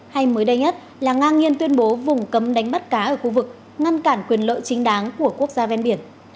hay mới đây nhất là ngang nhiên tuyên bố vùng cấm đánh bắt cá ở khu vực ngăn cản quyền lợi chính đáng của quốc gia ven biển